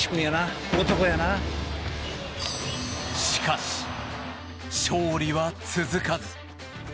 しかし、勝利は続かず。